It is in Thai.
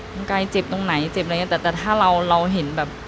คุณกายเจ็บตรงไหนเจ็บอะไรอย่างเงี้แต่แต่ถ้าเราเราเห็นแบบ